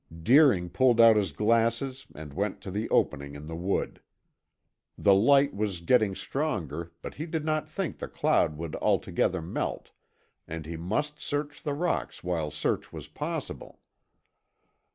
Deering pulled out his glasses and went to the opening in the wood. The light was getting stronger, but he did not think the cloud would altogether melt and he must search the rocks while search was possible.